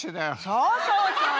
そうそうそう！